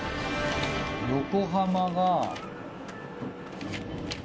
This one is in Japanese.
横浜が。